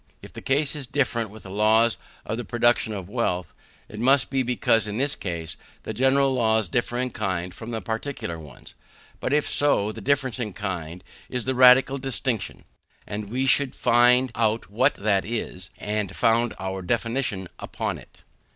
If the case is different with the laws of the production of wealth, it must be because, in this case, the general laws differ in kind from the particular ones. But if so, the difference in kind is the radical distinction, and we should find out what that is, and found our definition upon it.